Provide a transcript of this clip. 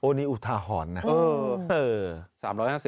โอ้นี่อุทหรณ์นะ